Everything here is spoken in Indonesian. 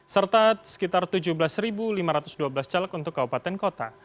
serta sekitar tujuh belas lima ratus dua belas caleg untuk kabupaten kota